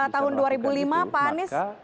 tahun dua ribu lima pak anies